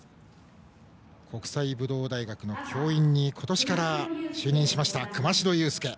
国際武道大学の教員に今年から就任しました熊代佑輔。